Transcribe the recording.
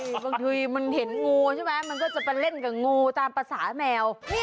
บางทีมันเห็นงูใช่ไหมมันก็จะไปเล่นกับงูตามภาษาแมว